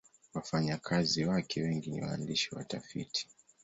Wafanyakazi wake wengi ni waandishi na watafiti.